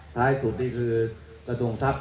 ท้ายสุดนี่คือสะทุ่มทรัพย์